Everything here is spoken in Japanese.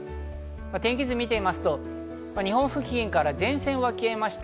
天気図を見てみますと日本付近から前線は消えました。